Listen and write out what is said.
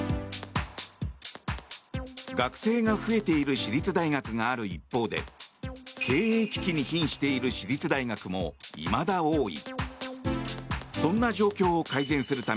学生が増えている私立大学がある一方で経営危機に瀕している私立大学もいまだ多い。